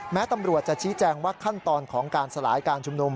แม้ตำรวจจะชี้แจงว่าขั้นตอนของการสลายการชุมนุม